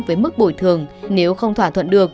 với mức bồi thường nếu không thỏa thuận được